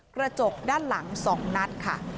กระจกด้านหลัง๒นัดค่ะ